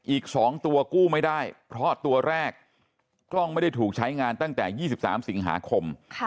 อีก๒ตัวกู้ไม่ได้เพราะตัวแรกกล้องไม่ได้ถูกใช้งานตั้งแต่๒๓สิงหาคม